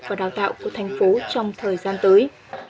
và đào tạo của thành phố trong thời gian tới